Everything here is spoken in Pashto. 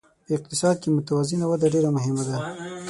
په اقتصاد کې متوازنه وده ډېره مهمه ده.